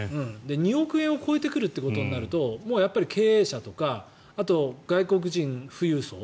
２億円を超えてくるということになるとやっぱり経営者とかあとは外国人富裕層。